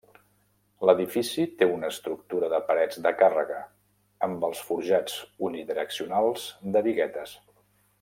L'edifici té una estructura de parets de càrrega, amb els forjats unidireccionals de biguetes.